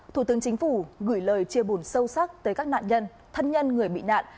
thủ tướng chính phủ gửi lời chia buồn sâu sắc tới các nạn nhân thân nhân người bị nạn